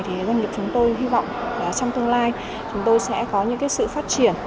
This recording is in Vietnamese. thì doanh nghiệp chúng tôi hy vọng trong tương lai chúng tôi sẽ có những sự phát triển